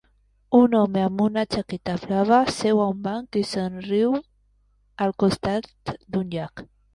Un home amb una jaqueta blava seu a un banc i somriu al costat d'un llac.